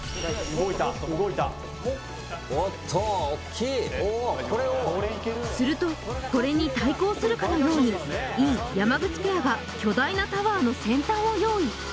動いた動いたするとこれに対抗するかのように尹・山口ペアが巨大なタワーの先端を用意